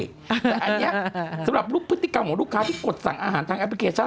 แต่อันนี้สำหรับรูปพฤติกรรมของลูกค้าที่กดสั่งอาหารทางแอปพลิเคชัน